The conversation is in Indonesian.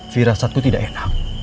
virasatku tidak enak